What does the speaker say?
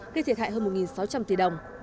gây thiệt hại hơn một sáu trăm linh tỷ đồng